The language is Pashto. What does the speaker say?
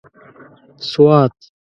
سوات